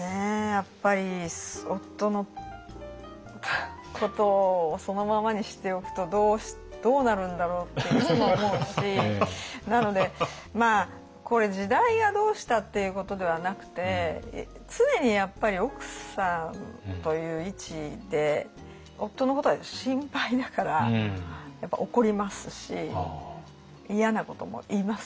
やっぱり夫のことをそのままにしておくとどうなるんだろうっていつも思うしなのでまあこれ時代がどうしたっていうことではなくて常にやっぱり奥さんという位置で夫のことは心配だから怒りますし嫌なことも言いますしね。